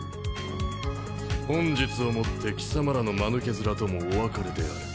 本日を以って貴様らの間抜け面ともお別れである！